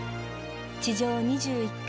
地上２１階